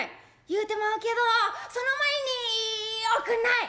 「言うてまうけどその前におくんない」。